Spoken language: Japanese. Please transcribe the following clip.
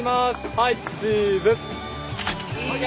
はいチーズ！